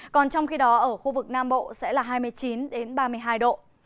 còn trong khi đó ở khu vực nam bộ sẽ là hai mươi chín độ